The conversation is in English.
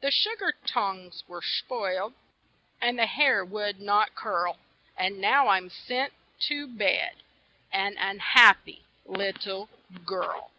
The sugar tongs were spoiled, And the hair would not curl, And now I'm sent to bed, An unhappy little girl.